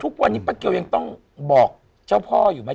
ทุกวันนี้ป้าเกียวยังต้องบอกเจ้าพ่ออยู่ไหม